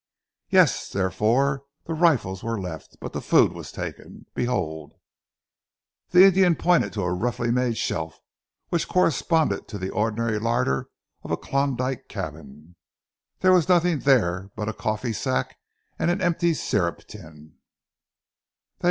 "Yes! Therefore the rifles were left. But the food was taken. Behold!" The Indian pointed to a roughly made shelf, which corresponded to the ordinary larder of a Klondyke cabin. There was nothing there but a coffee sack and an empty syrup tin.